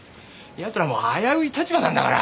奴らも危うい立場なんだから。